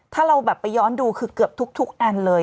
ถ้าเราแบบไปย้อนดูคือเกือบทุกอันเลย